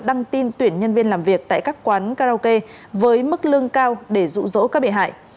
đăng tin tuyển nhân viên làm việc tại các quán karaoke với mức lương cao để rụ rỗ các bị hại